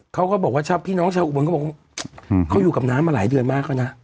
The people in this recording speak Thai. เขาก็บอกว่าพี่น้องชาวอุบลเขาบอกว่าเขาอยู่กับน้ำมาหลายเดือนมากแล้วนะ